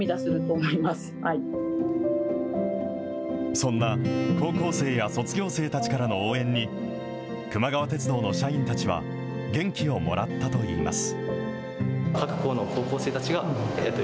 そんな高校生や卒業生たちからの応援に、くま川鉄道の社員たちは、元気をもらったといいます。